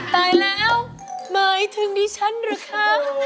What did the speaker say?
ตายแล้วหมายถึงดิฉันหรือคะ